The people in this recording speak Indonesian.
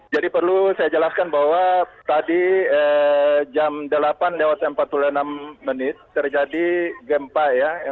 jadi perlu saya jelaskan bahwa tadi jam delapan lewat empat puluh enam menit terjadi gempa ya